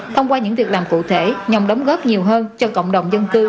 thông qua những việc làm cụ thể nhằm đóng góp nhiều hơn cho cộng đồng dân cư